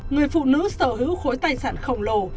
người phụ nữ sở hữu khối tài sản khổng lồ